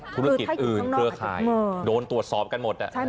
ธุรกิจอื่นเครือข่ายโดนตรวจสอบกันหมด